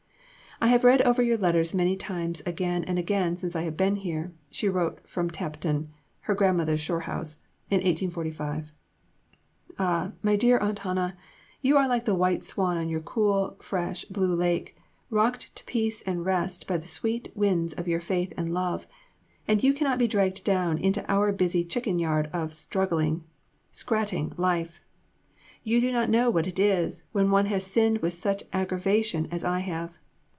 "I have read over your letters many times again and again since I have been here," she wrote from Tapton (her grandmother Shore's house) in 1845. "Ah, my dear Aunt Hannah, you are like the white swan on your cool, fresh, blue lake, rocked to peace and rest by the sweet winds of your faith and love, and you cannot be dragged down into our busy chicken yard of struggling, scratting life. You do not know what it is, when one has sinned with such aggravation as I have.